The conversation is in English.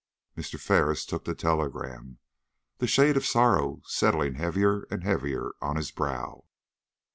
Mr. Ferris took the telegram, the shade of sorrow settling heavier and heavier on his brow.